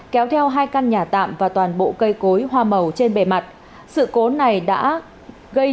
kéo theo hai căn nhà tạm và toàn bộ cây cối hoa màu trên bề mặt sự cố này đã gây